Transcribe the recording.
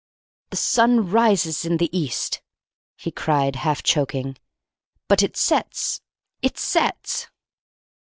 "The sun rises in the East," he cried, half choking, "but it sets it sets!"